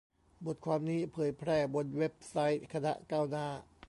บทความนี้เผยแพร่บนเว็บไซต์คณะก้าวหน้า